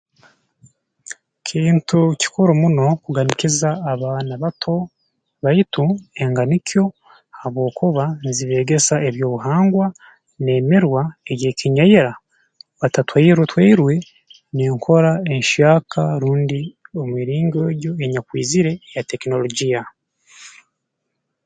Kintu kikuru muno kuganikiza abaana bato baitu enganikyo habwokuba nzibeegesa eby'obuhangwa n'emirwa ey'ekinyaira batatwairwe twairwe n'enkora ensyaka rundi emiringo egyo enyakwizire eya tekinorogiya